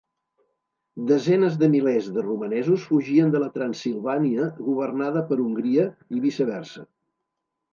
Desenes de milers de romanesos fugien de la Transsilvània governada per Hongria i viceversa.